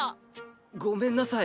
ごめんなさい。